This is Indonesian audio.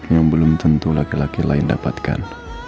yang belum tentu laki laki lain dapatkan